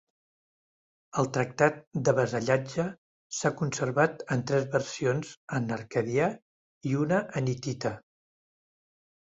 El tractat de vassallatge s'ha conservat en tres versions en acadià i una en hitita.